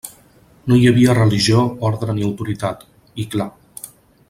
No hi havia religió, ordre ni autoritat, i... clar!